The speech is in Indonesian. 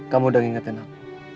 kamu udah ngingetin aku